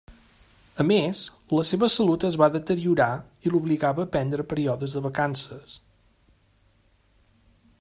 A més, la seva salut es va deteriorar i l'obligava a prendre períodes de vacances.